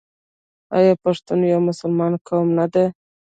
آیا پښتون یو مسلمان قوم نه دی؟